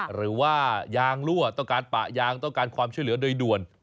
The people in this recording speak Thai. หรือว่ายางรั่วต้องการปะยางต้องการความช่วยเหลือโดยด่วน